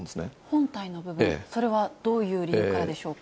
本体の部分、それはどういう理由からでしょうか。